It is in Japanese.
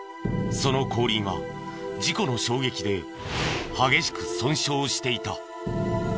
その後輪は事故の衝撃で激しく損傷していた。